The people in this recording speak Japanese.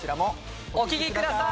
お聴きください。